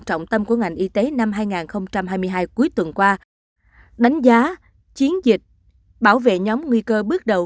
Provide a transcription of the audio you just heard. trọng tâm của ngành y tế năm hai nghìn hai mươi hai cuối tuần qua đánh giá chiến dịch bảo vệ nhóm nguy cơ bước đầu